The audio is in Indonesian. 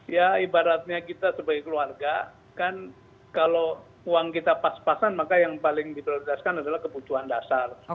ya ibaratnya kita sebagai keluarga kan kalau uang kita pas pasan maka yang paling diprioritaskan adalah kebutuhan dasar